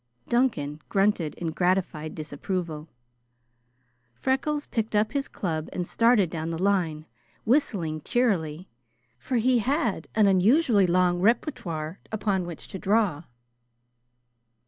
Duncan grunted in gratified disapproval. Freckles picked up his club and started down the line, whistling cheerily, for he had an unusually long repertoire upon which to draw.